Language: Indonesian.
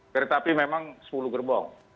keretapi memang sepuluh gerbong